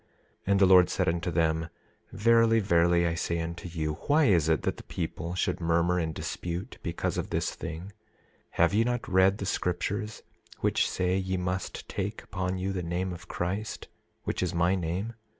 27:4 And the Lord said unto them: Verily, verily, I say unto you, why is it that the people should murmur and dispute because of this thing? 27:5 Have they not read the scriptures, which say ye must take upon you the name of Christ, which is my name?